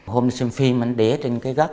hôm đó xem phim anh đĩa trên cái góc